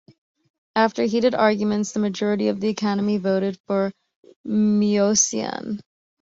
After heated arguments, the majority of the Academy voted for Moissan.